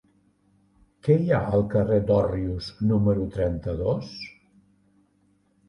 Què hi ha al carrer d'Òrrius número trenta-dos?